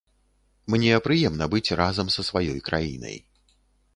Мне прыемна быць разам са сваёй краінай.